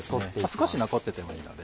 少し残っててもいいので。